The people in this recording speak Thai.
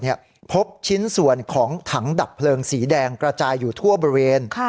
พบชิ้นส่วนของถังดับเพลิงสีแดงกระจายอยู่ทั่วบริเวณ